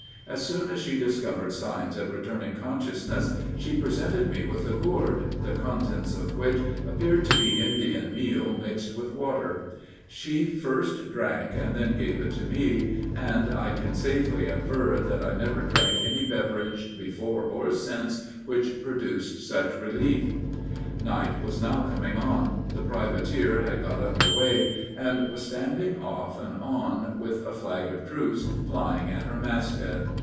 As soon as she discovered signs of returning consciousness, she presented me with a gourd, the contents of which appeared to be Indian meal mixed with water; she first drank, and then gave it to me, and I can safely aver that I never drank any beverage, before or since, which produced such relief. Night was now coming on; the privateer had got under weigh, and was standing off and on, with a flag of truce flying at her mast head.